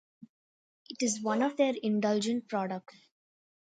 It is one of their "indulgent" products.